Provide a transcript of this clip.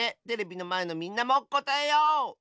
テレビのまえのみんなもこたえよう！